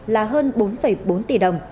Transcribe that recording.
là hơn bốn bốn tỷ đồng